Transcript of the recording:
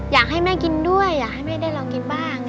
อยากให้แม่กินด้วยอยากให้แม่ได้ลองกินบ้าง